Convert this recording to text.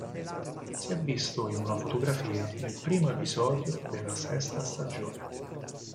Si è visto in una fotografia nel primo episodio della sesta stagione.